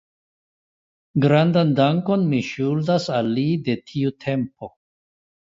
Grandan dankon mi ŝuldas al li de tiu tempo.